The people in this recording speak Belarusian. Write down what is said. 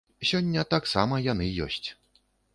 Сёння таксама яны ёсць.